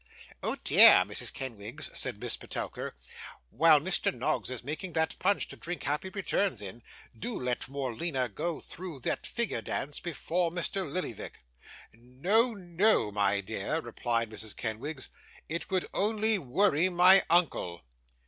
'Oh dear, Mrs. Kenwigs,' said Miss Petowker, 'while Mr. Noggs is making that punch to drink happy returns in, do let Morleena go through that figure dance before Mr. Lillyvick.' 'No, no, my dear,' replied Mrs. Kenwigs, 'it will only worry my uncle.